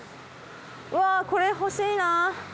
うわこれ欲しいな。